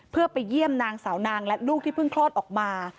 เพื่อไปเยี่ยมนางสาวนางและลูกที่เพิ่งคลอดออกมา